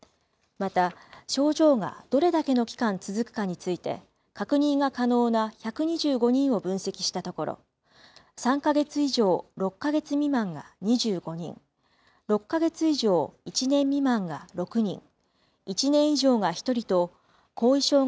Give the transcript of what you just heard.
また、症状がどれだけの期間続くかについて、確認が可能な１２５人を分析したところ、３か月以上６か月未満が２５人、６か月以上１年未満が６人。